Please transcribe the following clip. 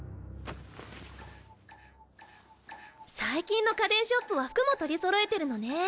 最近の家電ショップは服も取り揃えてるのね。